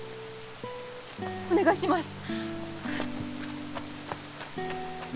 お願いします！